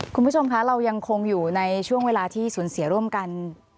คุณผู้ชมคะเรายังคงอยู่ในช่วงเวลาที่สูญเสียร่วมกัน